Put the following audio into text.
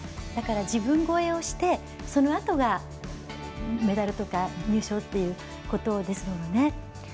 だから、あ自分超えをしてそのあとがメダルとか入賞っていうことですものね。